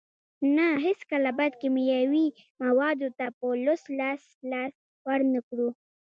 نه هیڅکله باید کیمیاوي موادو ته په لوڅ لاس لاس ورنکړو.